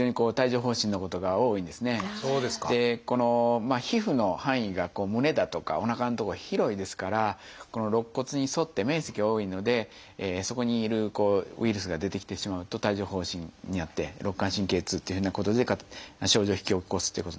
この皮膚の範囲が胸だとかおなかのとこは広いですから肋骨に沿って面積が多いのでそこにいるウイルスが出てきてしまうと帯状疱疹になって肋間神経痛っていうふうなことで症状を引き起こすっていうことになってきますね。